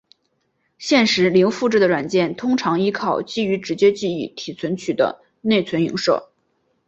实现零复制的软件通常依靠基于直接记忆体存取的内存映射。